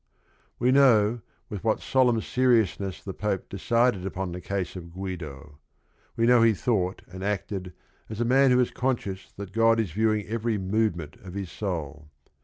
We know with what solemn seriousness the Pope decided upon the case of Guido. We know he thought and acted as a man who is conscious that God is view ing every movement of his soul.